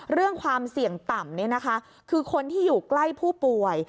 เรื่องความเสี่ยงต่ำคือคนที่อยู่ใกล้ผู้ป่วย